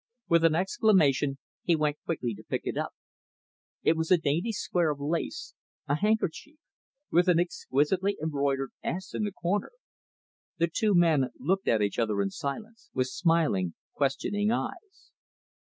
With an exclamation, he went quickly to pick it up. It was a dainty square of lace a handkerchief with an exquisitely embroidered "S" in the corner. The two men looked at each other in silence; with smiling, questioning eyes.